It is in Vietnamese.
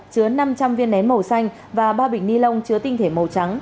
chứa năm trăm linh viên nén màu xanh và ba bịch ni lông chứa tinh thể màu trắng